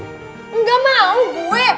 enggak mau gue